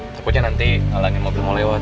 takutnya nanti ngalangin mobil mau lewat